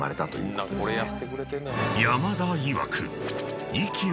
［山田いわく］